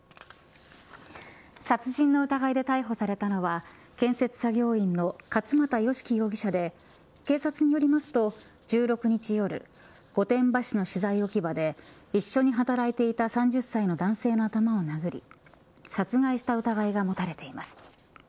殺人の疑いで逮捕されたのは建設作業員の勝又善樹容疑者で警察によりますと、１６日夜御殿場市の資材置き場で一緒に働いていた３０代の男性の頭を殴り殺害した疑いが持たれています。